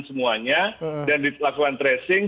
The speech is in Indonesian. semuanya dan dilakukan tracing